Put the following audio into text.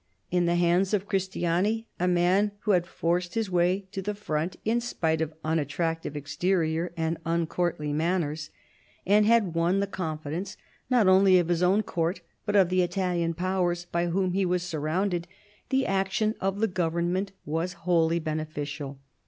In the hands of Christian], a man who had forced his way to the front in spite of unattractive exterior and uncourtly manners, and had won the confidence not only of his own court but of the Italian Powers by whom he was surrounded, the action of the Government was wholly beneficial.